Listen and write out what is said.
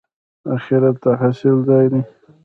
اخرت د حاصل ځای دی